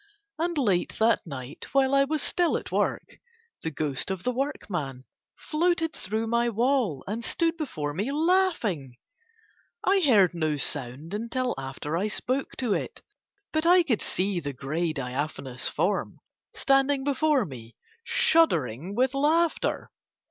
And late that night while I was still at work, the ghost of the workman floated through my wall and stood before me laughing. I heard no sound until after I spoke to it; but I could see the grey diaphanous form standing before me shuddering with laughter.